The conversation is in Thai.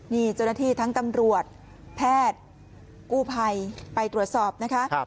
นี่เจ้าหน้าที่ทั้งตำรวจแพทย์กู้ภัยไปตรวจสอบนะคะ